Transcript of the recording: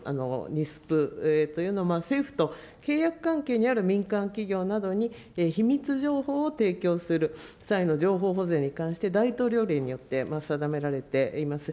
・ニスプというのも、政府と契約関係にある民間企業などに秘密情報を提供する際の情報保全に関して大統領令によって定められています。